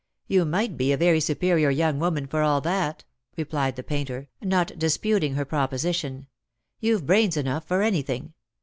" You might be a very superior young woman for all that," replied the painter, not disputing her proposition; "you've brains enough for anything.